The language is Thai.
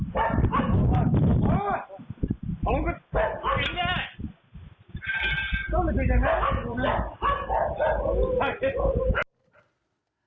บอกไงเนี่ย